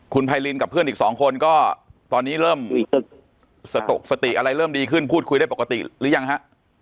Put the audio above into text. คุณไพรินกับเพื่อนอีกสองคนก็ตอนนี้เริ่มสตกสติอะไรเริ่มดีขึ้นพูดคุยได้ปกติหรือยังฮะ